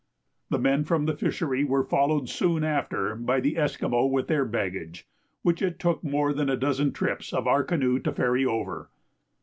The men from the fishery were followed soon after by the Esquimaux with their baggage, which it took more than a dozen trips of our canoe to ferry over.